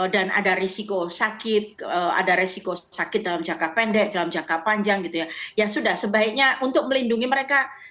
dan ada risiko sakit ada risiko sakit dalam jangka pendek dalam jangka panjang gitu ya sudah sebaiknya untuk melindungi mereka